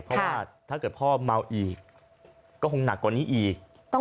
เพราะว่าถ้าเกิดพ่อเมาอีกก็คงหนักกว่านี้อีก